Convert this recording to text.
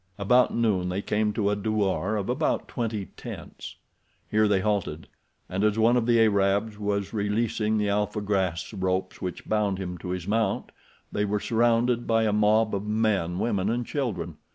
About noon they came to a douar of about twenty tents. Here they halted, and as one of the Arabs was releasing the alfa grass ropes which bound him to his mount they were surrounded by a mob of men, women, and children.